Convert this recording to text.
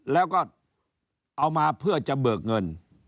แล้วก็เอามาเพื่อจะเบิกเงิน